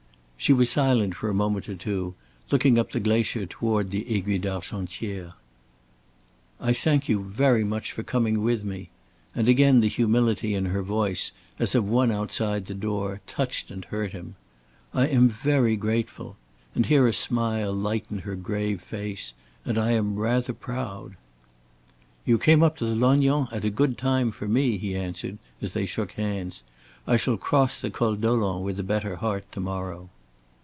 She was silent for a moment or two, looking up the glacier toward the Aiguille d'Argentière. "I thank you very much for coming with me," and again the humility in her voice, as of one outside the door, touched and hurt him. "I am very grateful," and here a smile lightened her grave face, "and I am rather proud!" "You came up to Lognan at a good time for me," he answered, as they shook hands. "I shall cross the Col Dolent with a better heart to morrow."